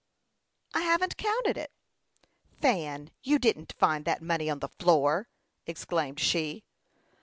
"I haven't counted it." "Fan, you didn't find that money on the floor!" exclaimed she.